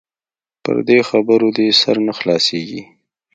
پر دې خبرو دې سر نه خلاصيږي.